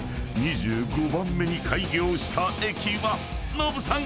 ［ノブさん